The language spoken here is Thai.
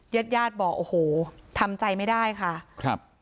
เย็ดญาติบอกโอ้โหทำใจไม่ได้ค่ะ